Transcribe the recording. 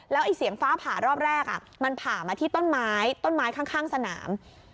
ไอ้เสียงฟ้าผ่ารอบแรกมันผ่ามาที่ต้นไม้ต้นไม้ข้างสนาม